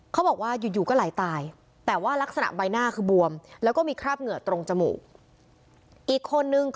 เขาบอกว่าอยู่อยู่ก็ไหลตายแต่ว่ารักษณะใบหน้าคือบวมแล้วก็มีคราบเหงื่อตรงจมูกอีกคนนึง